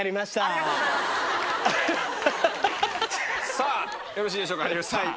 さあよろしいでしょうか有吉さん。